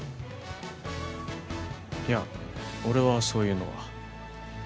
いや俺はそういうのは。